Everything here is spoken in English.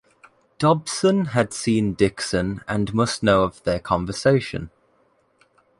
Dobson had seen Dixon and must know of their conversation.